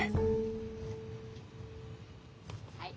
はい。